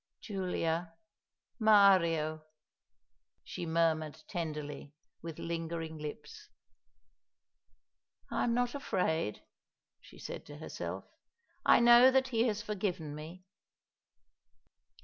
"Giulia Mario," she murmured tenderly, with lingering lips. "I am not afraid," she said to herself. "I know that he has forgiven me."